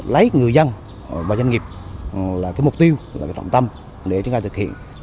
lấy người dân và doanh nghiệp là mục tiêu là trọng tâm để chúng ta thực hiện